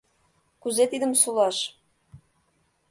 Кузе тидым сулаш?